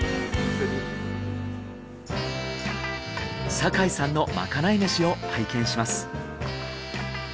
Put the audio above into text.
酒井さんのまかないめしを拝見します。